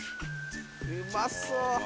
うまそう！